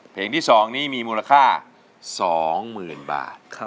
เพลงที่๒นี้มีมูลค่า๒๐๐๐บาท